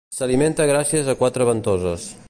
S'alimenta gràcies a quatre ventoses.